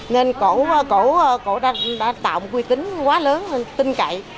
nên cô đã tạo một huy tính quá lớn tinh cậy